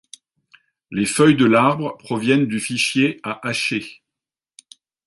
Les feuilles de l'arbre proviennent du fichier à hacher.